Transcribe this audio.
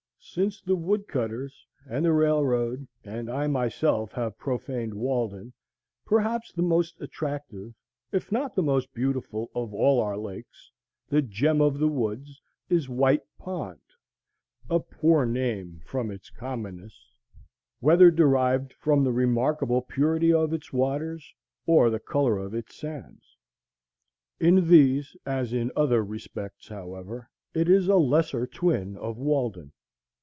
Since the woodcutters, and the railroad, and I myself have profaned Walden, perhaps the most attractive, if not the most beautiful, of all our lakes, the gem of the woods, is White Pond;—a poor name from its commonness, whether derived from the remarkable purity of its waters or the color of its sands. In these as in other respects, however, it is a lesser twin of Walden.